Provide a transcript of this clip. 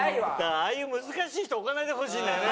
ああいう難しい人置かないでほしいんだよね。